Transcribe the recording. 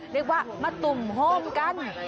เรียกว่ามาตุ่มโฮมกัน